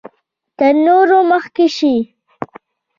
تر نورو مخکې شي.